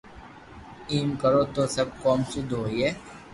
ايم ڪرو تو سب ڪوم سود ھوئي